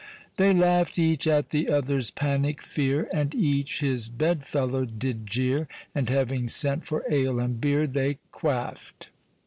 They laughed Each at the other's pannick feare, And each his bed fellow did jeere, And having sent for ale and beere, They quaffed.